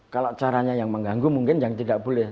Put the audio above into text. kalau caranya yang mengganggu mungkin yang tidak boleh